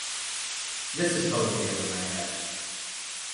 This is totally over my head.